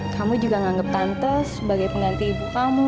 kamu juga menganggap tante sebagai pengganti ibu kamu